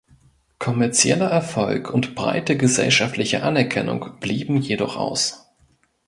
Kommerzieller Erfolg und breite gesellschaftliche Anerkennung blieben jedoch aus.